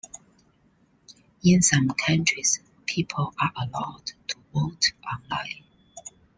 In some countries people are allowed to vote online.